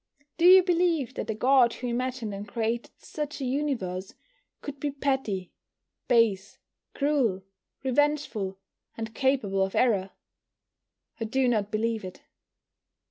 Do you believe that the God who imagined and created such a universe could be petty, base, cruel, revengeful, and capable of error? I do not believe it.